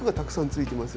ついてます